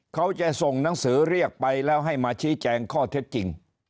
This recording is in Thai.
เขาจะส่งหนังสือเรียกไปแล้วให้มาชี้แจงข้อเท็จจริง